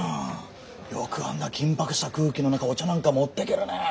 よくあんな緊迫した空気の中お茶なんか持ってけるね。